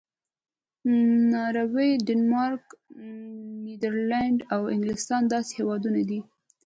ناروې، ډنمارک، نیدرلینډ او انګلستان داسې هېوادونه دي.